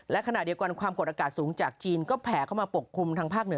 และขณะเดียวกันความกดอากาศสูงจากจีนก็แผ่เข้ามาปกคลุมทางภาคเหนือ